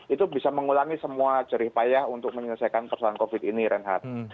itu bisa mengulangi semua jerih payah untuk menyelesaikan persoalan covid ini renhat